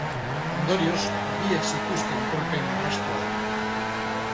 Ondorioz, biek zituzten kolpeen arrastoak.